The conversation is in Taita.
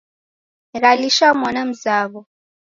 Ghalisha mwana mzaw'o